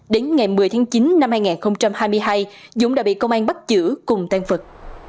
đến ngày một mươi tháng chín năm hai nghìn hai mươi hai dũng đã bị công an bắt giữ cùng tan vật